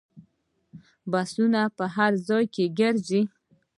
بسونه په هر ځای کې ګرځي.